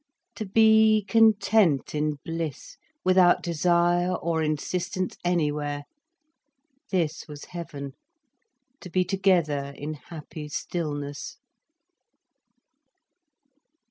To be content in bliss, without desire or insistence anywhere, this was heaven: to be together in happy stillness.